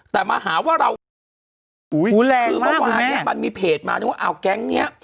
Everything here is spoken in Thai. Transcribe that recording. แต่มาหาว่าเราผิดคือเมื่อวานเนี้ยมันมีเพจมานึกว่าเอาแก๊งเนี้ย